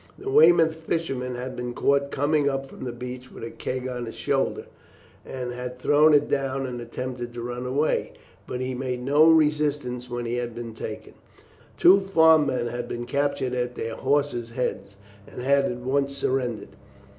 The Weymouth fisherman had been caught coming up from the beach with a keg on his shoulder, and had thrown it down and attempted to run away, but had made no resistance when he had been taken; the two farm men had been captured at their horses' heads, and had at once surrendered.